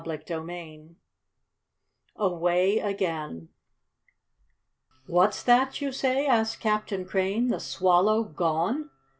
CHAPTER XIX AWAY AGAIN "What's that you say?" asked Captain Crane. "The Swallow gone?"